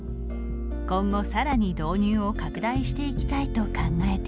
今後、さらに導入を拡大していきたいと考えています。